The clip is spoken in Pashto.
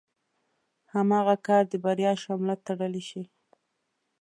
هماغه کار د بريا شمله تړلی شي.